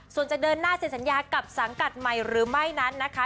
ส่วนจะเดินหน้าเซ็นสัญญากับสังกัดใหม่หรือไม่นั้นนะคะ